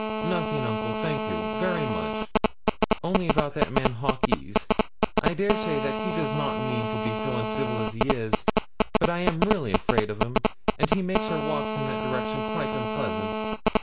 'Nothing, uncle, thank you, very much, only about that man, Hawkes; I dare say that he does not mean to be so uncivil as he is, but I am really afraid of him, and he makes our walks in that direction quite unpleasant.'